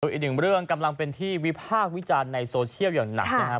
อีกหนึ่งเรื่องกำลังเป็นที่วิพากษ์วิจารณ์ในโซเชียลอย่างหนักนะครับ